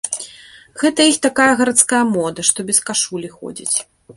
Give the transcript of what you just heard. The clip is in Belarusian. Гэта іх такая гарадская мода, што без кашулі ходзяць.